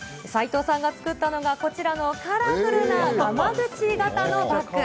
齋藤さんが作ったのがこちらのカラフルな、がま口型のバッグ。